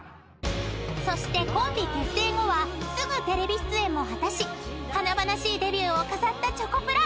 ［そしてコンビ結成後はすぐテレビ出演も果たし華々しいデビューを飾ったチョコプラ］